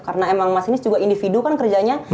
karena emang masinis juga individu kan kerjanya